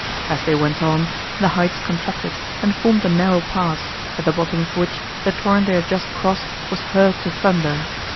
As they went on, the heights contracted, and formed a narrow pass, at the bottom of which, the torrent they had just crossed, was heard to thunder.